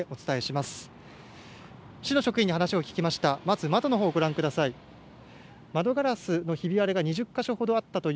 まず、窓のほうをご覧ください。